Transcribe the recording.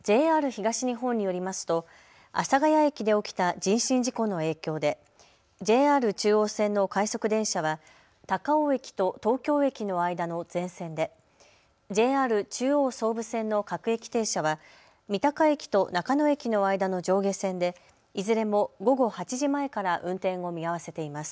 ＪＲ東日本によりますと阿佐ヶ谷駅で起きた人身事故の影響でＪＲ中央線の快速電車は高尾駅と東京駅の間の全線で、ＪＲ中央・総武線の各駅停車は三鷹駅と中野駅の間の上下線でいずれも午後８時前から運転を見合わせています。